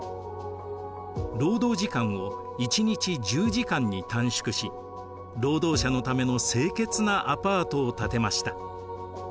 労働時間を１日１０時間に短縮し労働者のための清潔なアパートを建てました。